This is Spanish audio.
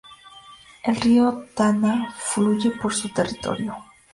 El río Tana fluye por su territorio.